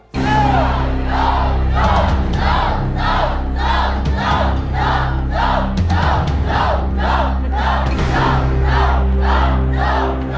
สู้สู้สู้สู้